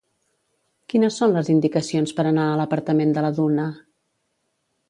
Quines són les indicacions per anar a l'apartament de la Duna?